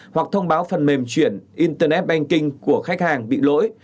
hoặc thông báo phần mềm chuyển internet banking của khách hàng bị lỗi